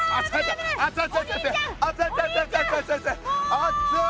あっつい！